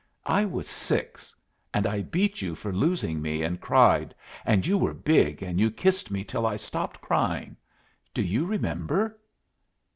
I was six, and I beat you for losing me, and cried, and you were big, and you kissed me till I stopped crying. Do you remember?"